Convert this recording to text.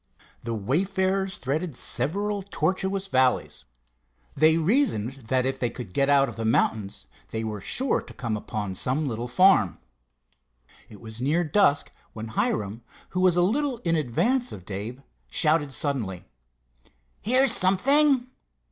The wayfarers threaded several tortuous valleys. They reasoned that if they could get out of the mountains they were sure to come upon some little farm. It was near dusk when Hiram, who was a little in advance of Dave, shouted suddenly: "Here's something!"